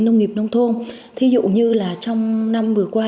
nông nghiệp nông thôn thí dụ như là trong năm vừa qua